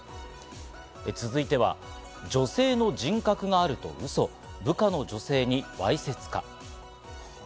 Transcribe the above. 続いては、女性の人格があるとウソ、部下の女性にわいせつか。